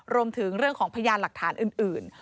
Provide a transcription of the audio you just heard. รวมถึงเรื่องของพยานหลักฐานอื่น